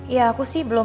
ya aku sih belum